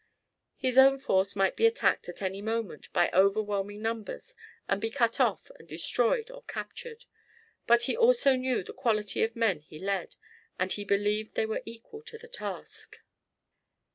His own force might be attacked at any moment by overwhelming numbers and be cut off and destroyed or captured, but he also knew the quality of the men he led, and he believed they were equal to any task.